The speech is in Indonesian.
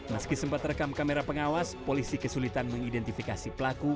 meski sempat rekam kamera pengawas polisi kesulitan mengidentifikasi pelaku